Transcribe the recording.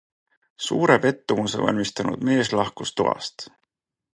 Suure pettumuse valmistanud mees lahkus toast.